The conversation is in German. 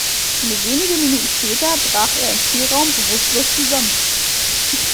Nur wenige Minuten später brach er im Zielraum bewusstlos zusammen.